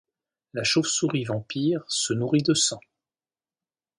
La chauve souris vampire se nourrit de sang